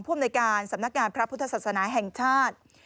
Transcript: อำนวยการสำนักงานพระพุทธศาสนาแห่งชาติ